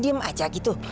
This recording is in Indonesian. diam aja gitu